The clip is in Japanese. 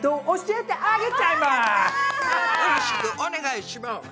よろしくお願いします！